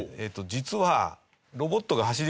実は。